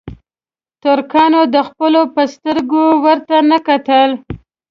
ترکانو د خپلو په سترګه ورته نه کتل.